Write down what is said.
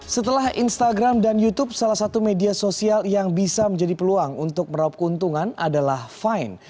setelah instagram dan youtube salah satu media sosial yang bisa menjadi peluang untuk meraup keuntungan adalah fine